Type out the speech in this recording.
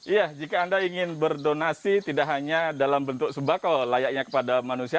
iya jika anda ingin berdonasi tidak hanya dalam bentuk sembako layaknya kepada manusia